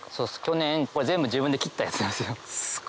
去年これ全部自分で切ったやつなんですよ。